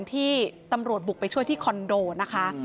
ที่ตำรวจบุกไปช่วยที่คอนโดนะคะ